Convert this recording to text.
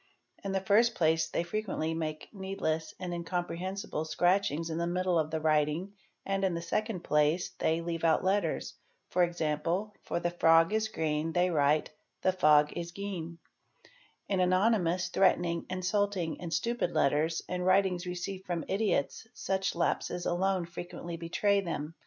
In the first place they frequently make needless and incomprehensible scratchings in the middle of the writing and in the second place they leave out letters, e.g., for 'the frog is green" they write "the fog is geen."'"8 In anonymous, threatening, insulting, and stupid letters and writings received from idiots such lapses alone frequently betray them.